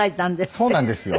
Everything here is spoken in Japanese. そうなんですよ。